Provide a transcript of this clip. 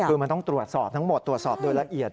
คือมันต้องตรวจสอบทั้งหมดตรวจสอบโดยละเอียด